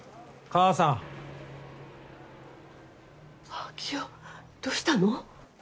昭夫、どうしたの？